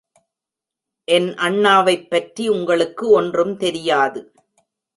என் அண்ணாவைப்பற்றி உங்களுக்கு ஒன்றும் தெரியாது.